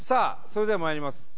それではまいります